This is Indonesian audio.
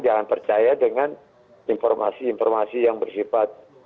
jangan percaya dengan informasi informasi yang bersifat